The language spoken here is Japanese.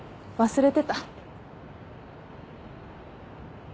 忘れてた。